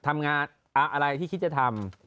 ทำงานอะไรที่คิดจะทำ